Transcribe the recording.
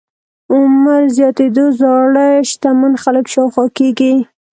عمر زياتېدو زاړه شتمن خلک شاوخوا کېږي.